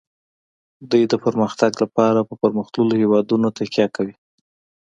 دوی د پرمختګ لپاره په پرمختللو هیوادونو تکیه کوي